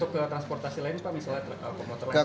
untuk transportasi lain pak misalnya komputer lain